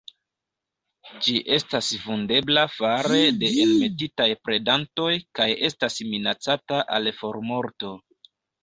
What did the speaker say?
Ĝi estas vundebla fare de enmetitaj predantoj, kaj estas minacata al formorto.